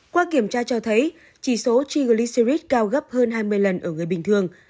qua kiểm tra cho thấy chỉ số triglycerides cao gấp hơn hai mươi lần ở người bình thường